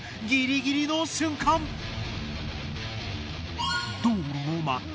ギリギリの瞬間！